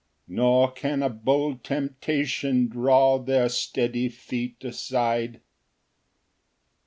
Nor can a bold temptation draw Their steady feet aside. Ver.